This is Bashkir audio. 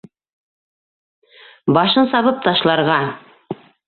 —Башын сабып ташларға!